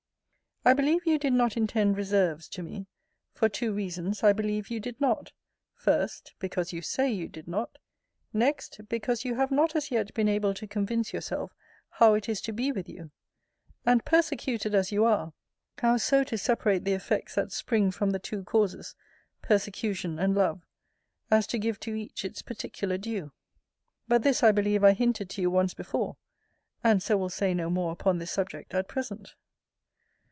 I believe you did not intend reserves to me: for two reasons I believe you did not: First, because you say you did not: Next, because you have not as yet been able to convince yourself how it is to be with you; and persecuted as you are, how so to separate the effects that spring from the two causes [persecution and love] as to give to each its particular due. But this I believe I hinted to you once before; and so will say no more upon this subject at present.